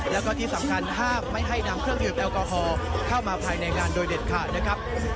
แล้วก็ที่สำคัญห้ามไม่ให้นำเครื่องดื่มแอลกอฮอล์เข้ามาภายในงานโดยเด็ดขาดนะครับ